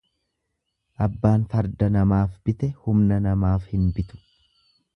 Abbaan farda namaa bite humna namaaf hin bitu.